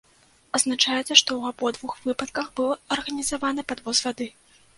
Адзначаецца, што ў абодвух выпадках быў арганізаваны падвоз вады.